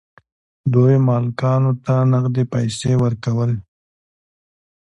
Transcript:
دوی مالکانو ته نغدې پیسې ورکولې.